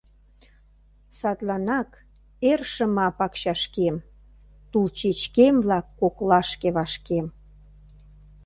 Садланак эр шыма пакчашкем Тулчечкем-влак коклашке вашкем.